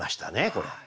これ。